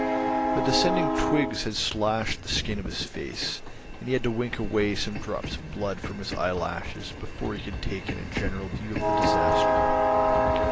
The descending twig had slashed the skin of his face, and he had to wink away some drops of blood from his eyelashes before he could take in a general view of the disaster.